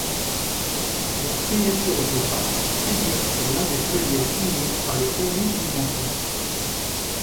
Leurs signatures autographes figurent sur l'un des feuillets signés par les convives du banquet.